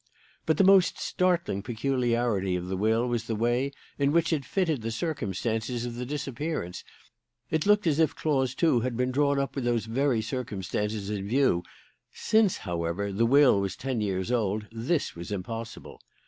"But the most startling peculiarity of the will was the way in which it fitted the circumstances of the disappearance. It looked as if clause two had been drawn up with those very circumstances in view. Since, however, the will was ten years old, this was impossible.